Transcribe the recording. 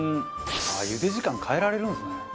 茹で時間変えられるんですね。